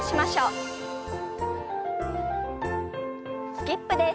スキップです。